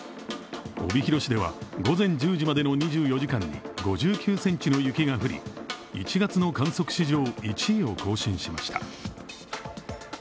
帯広市では午前１０時までの２４時間に５９ｃｍの雪が降り、１月の観測史上１位を更新しました。